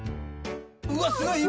うわっすごい。